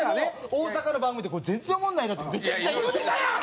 大阪の番組で「こいつ全然おもんないな」ってめちゃくちゃ言うてたやん！